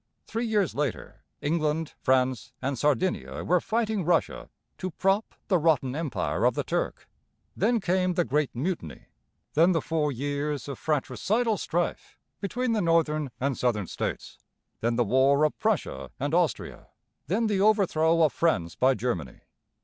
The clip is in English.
Three years later England, France, and Sardinia were fighting Russia to prop the rotten empire of the Turk. Then came the Great Mutiny; then the four years of fratricidal strife between the Northern and Southern States; then the war of Prussia and Austria; then the overthrow of France by Germany.